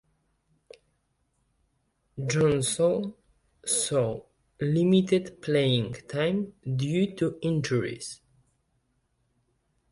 Johnson saw limited playing time due to injuries.